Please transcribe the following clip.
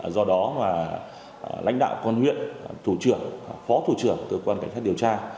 do đó là lãnh đạo quân huyện thủ trưởng phó thủ trưởng tư quan cảnh sát điều tra